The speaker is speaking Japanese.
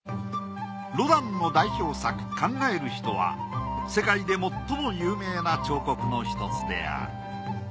ロダンの代表作『考える人』は世界で最も有名な彫刻のひとつである。